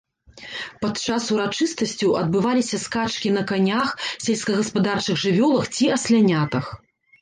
Падчас урачыстасцяў адбываліся скачкі на канях, сельскагаспадарчых жывёлах ці аслянятах.